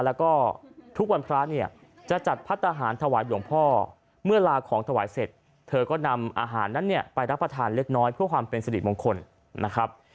แล้วก็ทุกวันพระเนี่ยจะจัดพัฒนาหารถวายหลวงพ่อเมื่อลาของถวายเสร็จเธอก็นำอาหารนั้นเนี่ยไปรับประทานเล็กน้อยเพื่อความเป็นสิริมงคลนะครับ